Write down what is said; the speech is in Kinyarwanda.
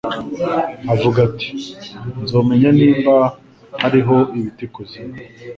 Avuga ati: 'Nzomenya nimba hariho ibiti i kuzimu.